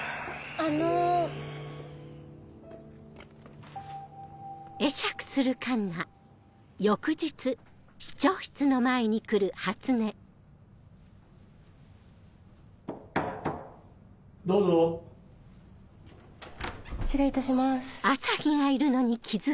・あの・・どうぞ・失礼いたします。